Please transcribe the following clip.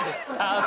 ああ。